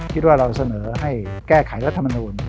คิดว่าเราเสนอให้แก้ไขรัฐมนูล